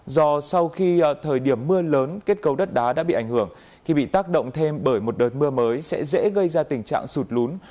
do sau khi thời điểm mưa lớn kết cấu đất đá đã bị ảnh hưởng thì bị tác động thêm bởi một đợt mưa mới sẽ dễ gây ra tình trạng sụt lún